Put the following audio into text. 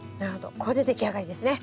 これで出来上がりですね。